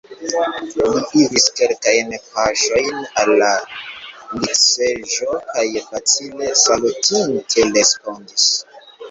Li iris kelkajn paŝojn al la litseĝo kaj, facile salutinte, respondis: